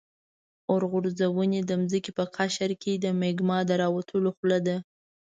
اورغورځونې د ځمکې په قشر کې د مګما د راوتلو خوله ده.